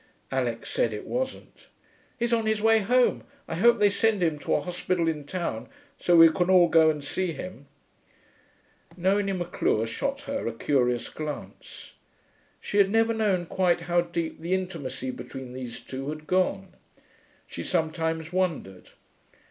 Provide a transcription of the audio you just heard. Alix said it wasn't. 'He's on his way home. I hope they send him to a hospital in town, so we can all go and see him.' Nonie Maclure shot her a curious glance. She had never known quite how deep the intimacy between these two had gone. She sometimes wondered.